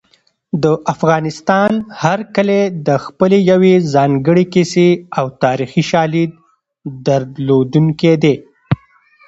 د افغانستان هر کلی د خپلې یوې ځانګړې کیسې او تاریخي شاليد درلودونکی دی.